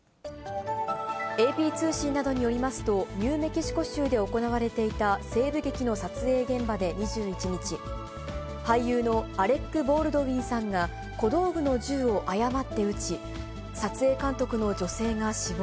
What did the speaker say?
ＡＰ通信などによりますと、ニューメキシコ州で行われていた西部劇の撮影現場で２１日、俳優のアレック・ボールドウィンさんが小道具の銃を誤って撃ち、撮影監督の女性が死亡。